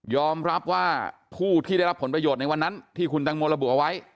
รับว่าผู้ที่ได้รับผลประโยชน์ในวันนั้นที่คุณตังโมระบุเอาไว้